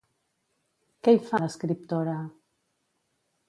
Què hi fa l'escriptora?